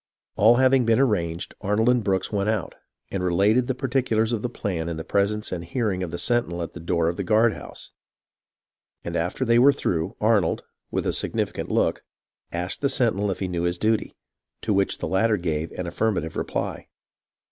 All having been arranged, Arnold and Brooks went out, and related the particulars of the plan in the presence and hearing of the sentinel at the door of the guard house ; and after they were through, Arnold, with a significant look, asked the sentinel if he knew his duty, to which the latter gave an affirmative reply.